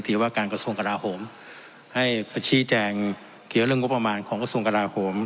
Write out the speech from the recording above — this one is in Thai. ว่าการกระทรวงกราโหมให้ไปชี้แจงเกี่ยวเรื่องงบประมาณของกระทรวงกราโหม